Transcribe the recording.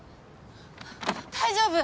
大丈夫？